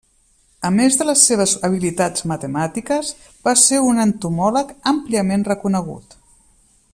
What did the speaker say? A més de les seves habilitats matemàtiques, va ser un entomòleg àmpliament reconegut.